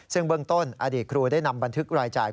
ซึ่งเบื้องต้นอดีตครูได้นำบันทึกรายจ่าย